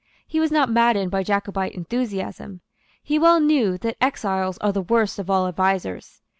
He was not maddened by Jacobite enthusiasm. He well knew that exiles are the worst of all advisers.